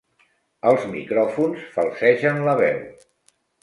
Els micròfons falsegen la veu.